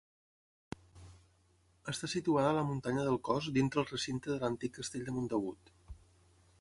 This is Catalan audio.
Està situada a la muntanya del Cós dintre el recinte de l'antic Castell de Montagut.